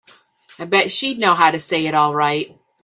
I bet you she'd know how to say it all right.